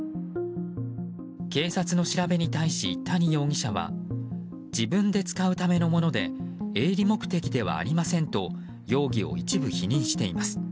警察の調べに対し、谷容疑者は自分で使うためのもので営利目的ではありませんと容疑を一部否認しています。